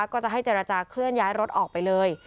ก็จะให้เจรจาเคลื่อนย้ายรถออกไปเลย